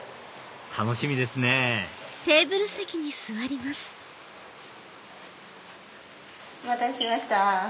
楽しみですねお待たせしました。